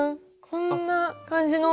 こんな感じの。